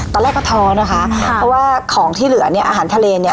ตอนแรกก็ท้อนะคะเพราะว่าของที่เหลือเนี่ยอาหารทะเลเนี่ย